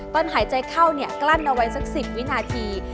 ตอนหายใจเข้าเนี่ยกลั้นเอาไว้สัก๑๐วินาที